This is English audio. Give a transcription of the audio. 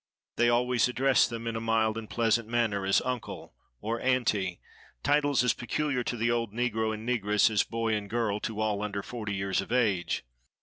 They always address them in a mild and pleasant manner, as "Uncle," or "Aunty,"—titles as peculiar to the old negro and negress as "boy" and "girl" to all under forty years of age.